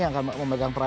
yang akan memegang peran